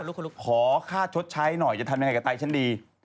อู๊ยตาย